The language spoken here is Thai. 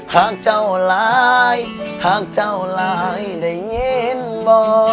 หากเจ้าหลายหากเจ้าหลายได้ยินบ่